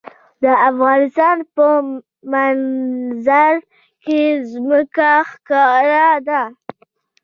د افغانستان په منظره کې ځمکه ښکاره ده.